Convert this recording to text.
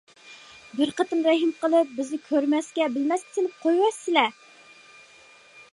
بىر قېتىم رەھىم قىلىپ، بىزنى كۆرمەسكە، بىلمەسكە سېلىپ قويۇۋەتسىلە.